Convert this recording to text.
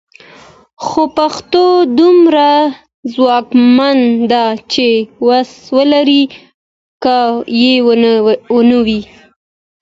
خو پښتو دومره ځواکمنه ده چې وس ولري که یې نه وي.